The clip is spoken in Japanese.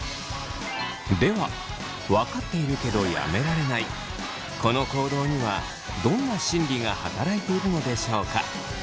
ではわかっているけどやめられないこの行動にはどんな心理が働いているのでしょうか。